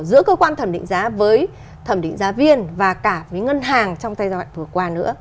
giữa cơ quan thẩm định giá với thẩm định giá viên và cả với ngân hàng trong giai đoạn vừa qua nữa